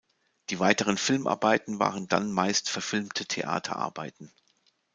Die weiteren Filmarbeiten waren dann meist verfilmte Theaterarbeiten.